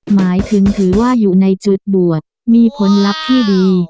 หมายถึงถือว่าอยู่ในจุดบวชมีผลลัพธ์ที่ดี